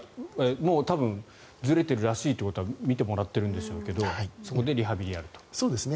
もう多分ずれてるらしいということは診てもらってるんでしょうけどそこでリハビリをやると。